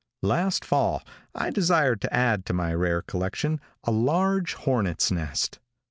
Last fall I desired to add to my rare collection a large hornet's nest.